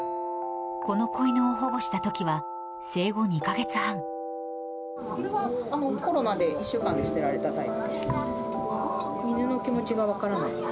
この子犬を保護したときは、これはコロナで１週間で捨てられたタイプです。